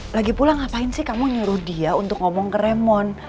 lagi pulang ngapain sih kamu nyuruh dia untuk ngomong ke remon